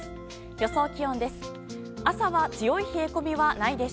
予想気温です。